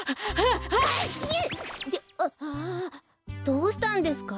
どうしたんですか？